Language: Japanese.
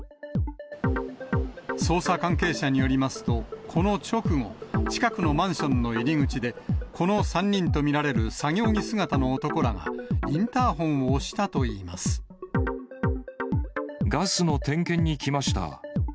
捜査関係者によりますと、この直後、近くのマンションの入り口で、この３人と見られる作業着姿の男らが、ガスの点検に来ました。